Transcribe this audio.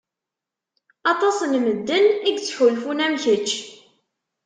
Aṭas n medden i yettḥulfun am kečč.